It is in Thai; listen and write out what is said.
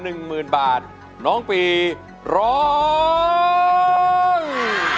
เรงที่๑มูลค่า๑๐๐๐๐บาทน้องปีร้อง